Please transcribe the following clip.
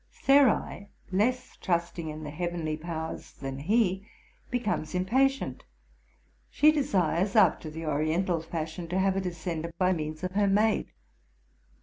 Sarai, less trusting in the heavenly powers than he, becomes impatient: she desires, after the Oriental fashion, to have a descendant, by means of her maid.